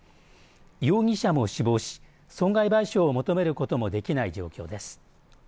容疑者も死亡し損害賠償を求めることもできない状況です。